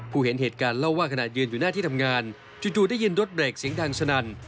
เห็นเหตุการณ์เล่าว่าขณะยืนอยู่หน้าที่ทำงานจู่ได้ยินรถเบรกเสียงดังสนั่น